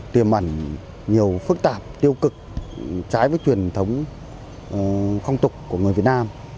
tiềm mẩn nhiều phức tạp tiêu cực trái với truyền thống không tục của người việt nam